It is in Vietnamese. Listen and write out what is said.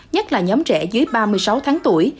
nhất là nhóm trẻ dưới ba mươi sáu tháng tuổi